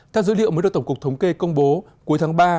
theo dữ liệu mới được tổng cục thống kê công bố cuối tháng ba